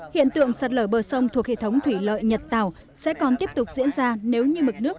hiện tượng sạt lở bờ sông thuộc hệ thống thủy lợi nhật tàu sẽ còn tiếp tục diễn ra nếu như mực nước